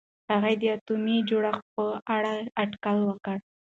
هغې د اتومي جوړښت په اړه اټکل وکړ.